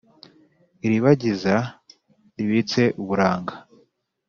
Iribagiza ribitse uburanga